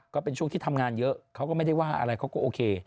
ก็เป็นช่วงที่ทำงานเยอะเขาก็ไม่ได้ว่าอะไรเขาก็โอเค